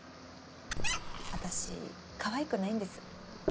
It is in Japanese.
私かわいくないんです。